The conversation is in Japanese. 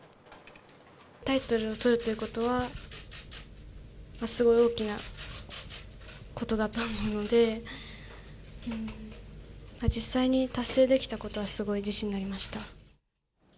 タイトルをとるということは、すごい大きなことだと思うので、実際に達成できたことはすごい自信になりました。